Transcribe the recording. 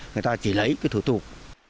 người ta chỉ lấy cái thủ tục